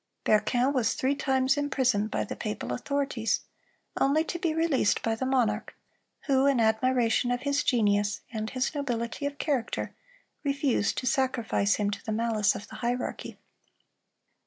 Berquin was three times imprisoned by the papal authorities, only to be released by the monarch, who, in admiration of his genius and his nobility of character, refused to sacrifice him to the malice of the hierarchy.